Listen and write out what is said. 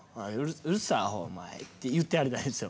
うるさい、あほ、お前って言ってやりたいんですよ。